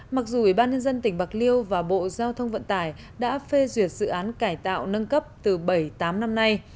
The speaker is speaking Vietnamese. mặc dù ủy ban nhân dân tỉnh bạc liêu và bộ giao thông vận tải đã phê duyệt dự án cải tạo nâng cấp từ bảy tám năm nay